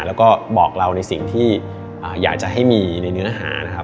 แล้วก็บอกเราในสิ่งที่อยากจะให้มีในเนื้อหานะครับ